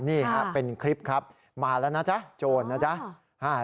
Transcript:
นี่ฮะเป็นคลิปครับมาแล้วนะจ๊ะโจรนะจ๊ะ